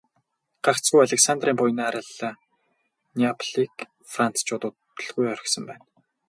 Гагцхүү Александрын буянаар л Неаполийг францчууд удалгүй орхисон байна.